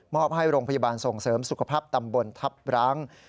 อบให้โรงพยาบาลส่งเสริมสุขภาพตำบลทัพร้าง